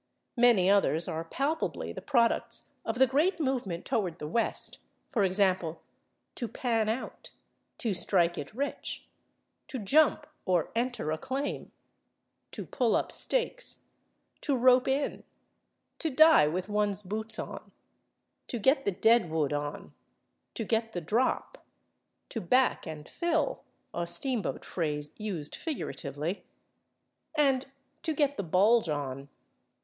Many others are palpably the products of the great movement toward the West, for example, /to pan out/, /to strike it rich/, /to jump/ or /enter a claim/, /to pull up stakes/, /to rope in/, /to die with one's boots on/, /to get the deadwood on/, /to get the drop/, /to back and fill/ (a steamboat phrase used figuratively) and /to get the bulge on